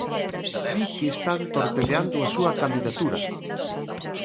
Di que están torpedeando a súa candidatura.